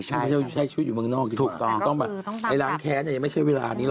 ไม่ใช่ชุดอยู่เมืองนอกจริงไอ้ล้างแค้นยังไม่ใช่เวลานี้หรอก